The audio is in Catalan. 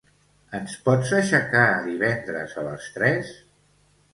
Ens pots aixecar divendres a les tres?